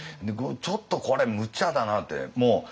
ちょっとこれむちゃだなって。